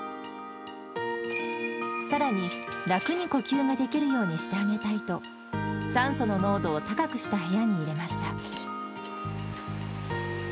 さらに、楽に呼吸ができるようにしてあげたいと、酸素の濃度を高くした部屋に入れました。